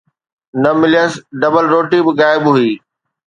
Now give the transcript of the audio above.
نه مليس، ڊبل روٽي به غائب هئي.